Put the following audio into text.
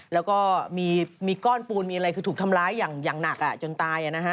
แล้วก็มีก้อนปูนมีอะไรคือถูกทำร้ายอย่างหนักจนตาย